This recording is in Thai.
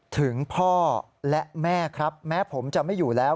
ถึงพ่อและแม่ครับแม้ผมจะไม่อยู่แล้ว